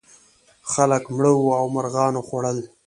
خلک مړه وو او مرغانو خوړل.